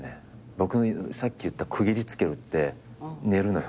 僕さっき言った区切りつけるって寝るのよ。